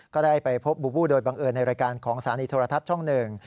ก็ได้ไปพบบูบูโดยบังเอิญในรายการของสถานีโทรทัศน์ช่องหนึ่ง